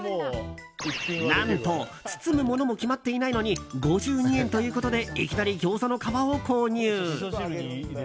何と、包むものも決まっていないのに５２円ということでいきなりギョーザの皮を購入。